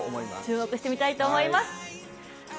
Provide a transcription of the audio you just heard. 注目してみたいと思います。